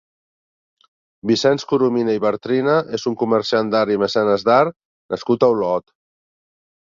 Vicenç Coromina i Bartrina és un comerciant d'art i mecenes d'art nascut a Olot.